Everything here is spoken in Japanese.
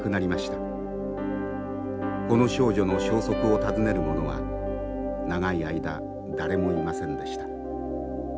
この少女の消息を訪ねる者は長い間誰もいませんでした。